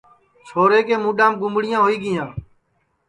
اکشے کے مُڈؔام گُمڑیاں ہوئی گیاں